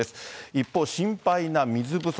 一方、心配な水不足。